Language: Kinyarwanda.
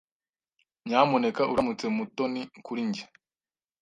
Nyamuneka uramutse Mutoni kuri njye.